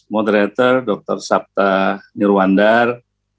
moderator dr sabta nirwandar